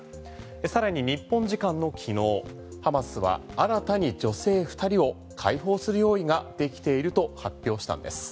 更に日本時間の昨日ハマスは新たに女性２人を解放する用意ができていると発表したんです。